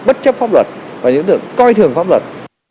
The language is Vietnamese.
bất chấp pháp luật và những đối tượng coi thường pháp luật